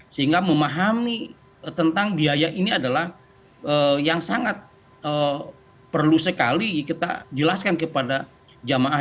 sehingga memahami tentang biaya ini adalah yang sangat perlu sekali kita jelaskan kepada jamaah